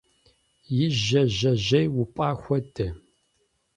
И жьэ жьэжьей упӏа хуэдэ.